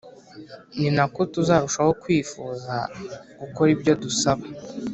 ni na ko tuzarushaho kwifuza gukora ibyo adusaba